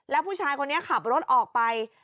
แล้วผู้ชายคนนี้ขับรถออกไป